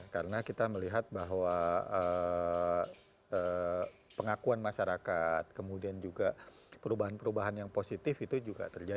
karena kita melihat bahwa pengakuan masyarakat kemudian juga perubahan perubahan yang positif itu juga terjadi